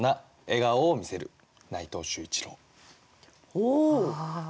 おお。